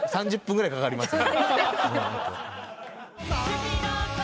３０分ぐらいかかります。